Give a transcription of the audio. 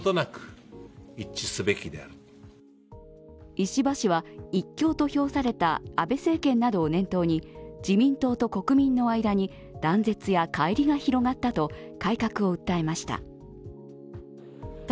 石破氏は一強と評された安倍政権などを念頭に自民党と国民の間に断絶や乖離が広がったと改革を訴えました。